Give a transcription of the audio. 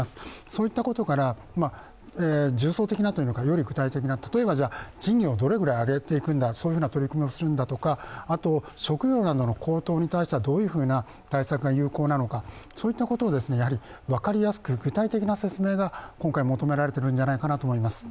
そういったことから、重層的なというか、より具体的な、事業をどれぐらいあげていくのかそういうふうな取り組みをするんだとか、食料などの高騰に対してはどういった対策が有効なのか、そういったことを分かりやすく具体的な説明が今回、求められているのではないかなと思います。